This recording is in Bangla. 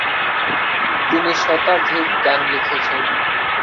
তিনি শতাধিক গান লিখেছেন।